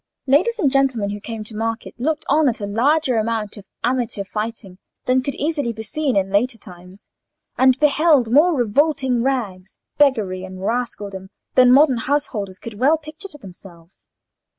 Ladies and gentlemen, who came to market, looked on at a larger amount of amateur fighting than could easily be seen in these later times, and beheld more revolting rags, beggary, and rascaldom, than modern householders could well picture to themselves.